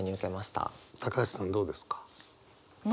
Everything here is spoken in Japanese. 橋さんどうですか？